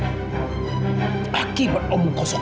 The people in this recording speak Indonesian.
pak ibu beromong kosong